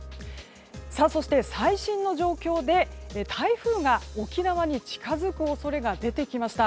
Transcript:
そして最新の状況で、台風が沖縄に近づく恐れが出てきました。